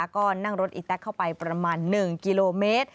ก็นั่งรถอีแต๊กเข้าไปประมาณ๑กิโลเมตร